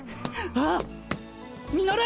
あっミノル！